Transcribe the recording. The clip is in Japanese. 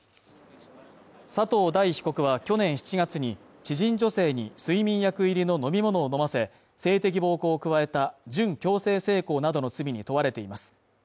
佐藤大被告は去年７月に知人女性に睡眠薬入りの飲み物を飲ませ性的暴行を加えた準強制性交などの罪に問われています。